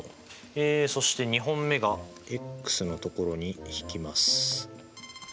そして２本目がｘの所に引きます。